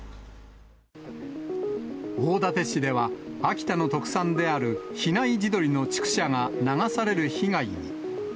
大館市では、秋田の特産である比内地鶏の畜舎が流される被害に。